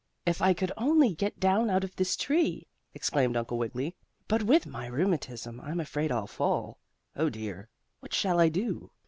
If I could only get down out of the tree!" exclaimed Uncle Wiggily. "But with my rheumatism I'm afraid I'll fall. Oh dear! What shall I do?"